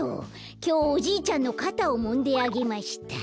きょう「おじいちゃんのかたをもんであげました」。